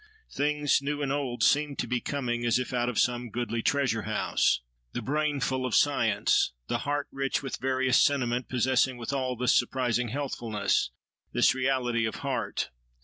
Things new and old seemed to be coming as if out of some goodly treasure house, the brain full of science, the heart rich with various sentiment, possessing withal this surprising healthfulness, this reality of heart.